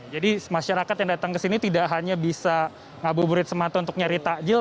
jadi masyarakat yang datang ke sini tidak hanya bisa ngabuburit semata untuk nyari takjil